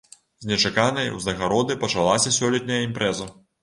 З нечаканай узнагароды пачалася сёлетняя імпрэза.